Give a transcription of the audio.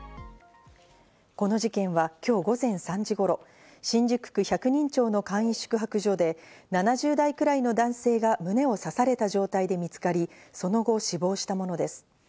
この事件はきょう午前３時頃、新宿区百人町の簡易宿泊所で７０代くらいの男性が胸を刺された状態で見つかり、その後、死亡したものです。